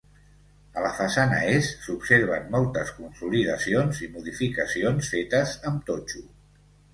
A la façana est s'observen moltes consolidacions i modificacions fetes amb totxo.